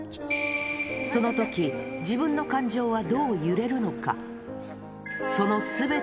そのとき、自分の感情はどう揺れるのか。